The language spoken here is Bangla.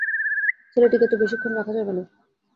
ছেলেটিকে তো বেশিক্ষণ রাখা যাবে না।